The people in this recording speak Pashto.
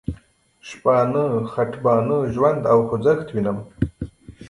شپانه، خټبانه، ژوند او خوځښت وینم.